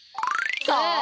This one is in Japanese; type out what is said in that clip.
さあ？